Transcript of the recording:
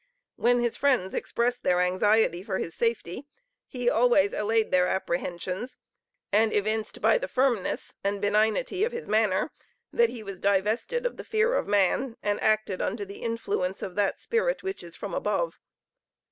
When his friends expressed their anxiety for his safety, he always allayed their apprehensions, and evinced by the firmness and benignity of his manner that he was divested of the fear of man, and acted under the influence of that spirit which is from above.